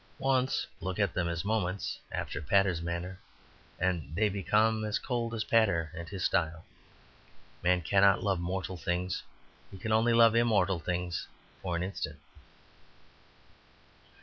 Once look at them as moments after Pater's manner, and they become as cold as Pater and his style. Man cannot love mortal things. He can only love immortal things for an instant.